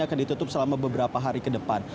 akan ditutup selama beberapa hari ke depan